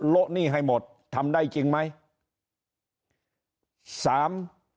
ละหนี้ให้หมดทำได้จริงไหมสาม